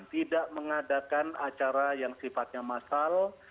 dan tidak mengadakan acara yang sifatnya massal